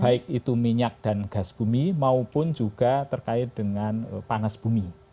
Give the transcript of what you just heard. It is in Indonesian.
baik itu minyak dan gas bumi maupun juga terkait dengan panas bumi